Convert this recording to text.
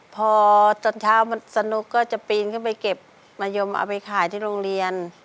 พอตอนเช้ามันสนุกก็จะปีนขึ้นไปเก็บมะยมเอาไปขายที่โรงเรียน